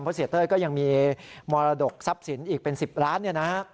เพราะเศรษฐ์เต้ยก็ยังมีมรดกทรัพย์สินอีกเป็น๑๐ล้าน